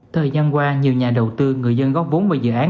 thời gian qua nhiều nhà đầu tư người dân góp vốn vào dự án